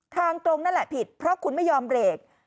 ทางตรงนั่นแหละผิดเพราะคุณไม่ยอมเบรก